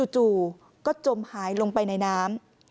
จู่ก็จมหายลงไปในน้ำ